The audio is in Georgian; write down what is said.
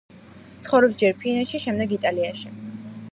ცხოვრობს ჯერ ფინეთში, შემდეგ იტალიაში.